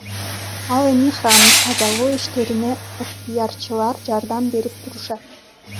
Ал эми храмды тазалоо иштерине ыктыярчылар жардам берип турушат.